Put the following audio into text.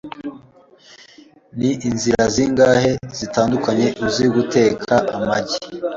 Ni inzira zingahe zitandukanye uzi guteka amagi?